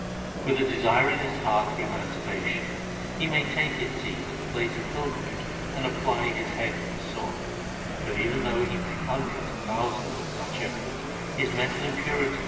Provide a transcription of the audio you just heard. With a desire in his heart for emancipation he may take his seat at a place of pilgrimage, and apply his head to the saw ; But even though he made hundreds of thousands of such efforts, his mental impurity would not depart.